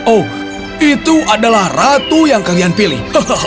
oh itu adalah ratu yang kalian pilih